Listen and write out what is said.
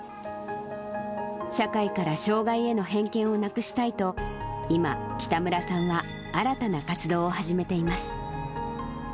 社会から障がいへの偏見をなくしたいと、今、北村さんは新たな活動を始めています。